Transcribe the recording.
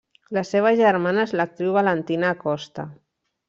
La seva germana és l'actriu Valentina Acosta.